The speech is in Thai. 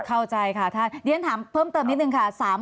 เข้าใจค่ะท่านเรียนถามเพิ่มเติมนิดนึงค่ะ